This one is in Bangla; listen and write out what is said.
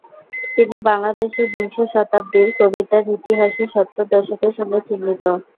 তিনি বাংলাদেশের বিংশ শতাব্দীর কবিতার ইতিহাসে সত্তর দশকের সঙ্গে চিহ্নিত।